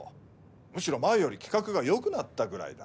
むしろ前より企画が良くなったぐらいだ。